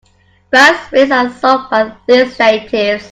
Brass rings are sold by these natives.